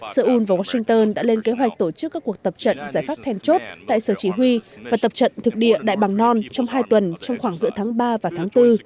seoul và washington đã lên kế hoạch tổ chức các cuộc tập trận giải pháp thèn chốt tại sở chỉ huy và tập trận thực địa đại bằng non trong hai tuần trong khoảng giữa tháng ba và tháng bốn